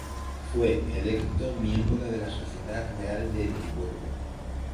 Fue electo miembro de la Sociedad Real de Edimburgo.